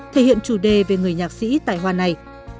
thể hiện chủ đề về người nhạc sĩ tài hoa này